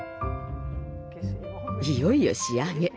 いよいよ仕上げ。